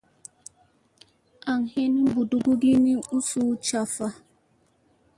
An hin mbuɗugi ki ni a suu caffa.